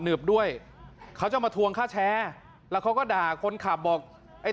กูอยากรู้ว่าพี่กัลปากดีแล้วเผยด้วย